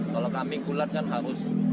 kalau kami gulat kan harus